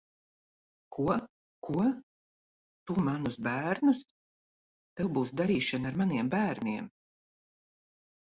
Ko, ko? Tu manus bērnus? Tev būs darīšana ar maniem bērniem!